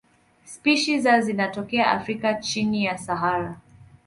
Spishi za zinatokea Afrika chini ya Sahara.